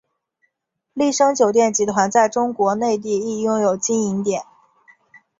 丽笙酒店集团在中国内地亦拥有经营点。